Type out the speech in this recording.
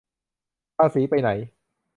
ภาษีไปไหน